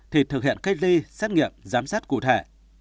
thì thực hiện cách ly xét nghiệm giám sát cụ thể